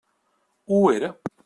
Ho era.